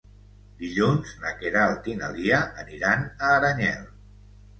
Dilluns na Queralt i na Lia aniran a Aranyel.